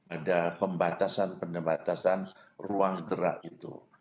ada pembatasan pembatasan ruang gerak itu